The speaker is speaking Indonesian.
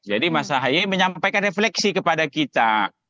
jadi mas ahi menyampaikan refleksi kepada kita